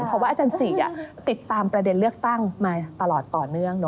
เพราะว่าอาจารย์ศรีติดตามประเด็นเลือกตั้งมาตลอดต่อเนื่อง